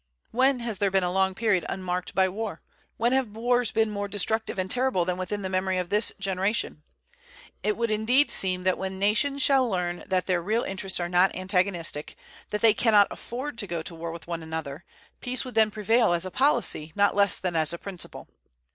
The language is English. When has there been a long period unmarked by war? When have wars been more destructive and terrible than within the memory of this generation? It would indeed seem that when nations shall learn that their real interests are not antagonistic, that they cannot afford to go to war with one another, peace would then prevail as a policy not less than as a principle.